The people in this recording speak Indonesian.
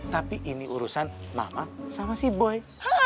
tapi ini urusan nama sama si boy